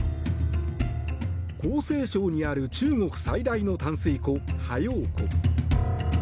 江西省にある中国最大の淡水湖、ハヨウ湖。